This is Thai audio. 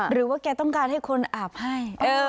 หรือว่าแกต้องการให้คนอาบให้